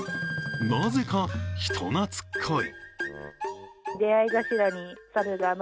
なぜか人懐っこい。